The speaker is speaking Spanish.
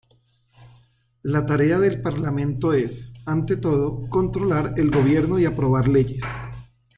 La tarea del Parlamento es, ante todo, controlar el gobierno y aprobar leyes.